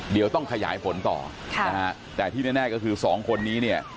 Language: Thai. เดี๋ยวต้องขยายผลต่อค่ะนะฮะแต่ที่แน่ก็คือสองคนนี้เนี่ย